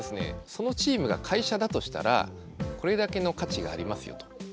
そのチームが会社だとしたらこれだけの価値がありますよということなんです。